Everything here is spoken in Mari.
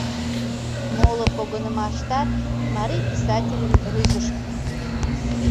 Моло погынымаштат марий писательым рӱзышт.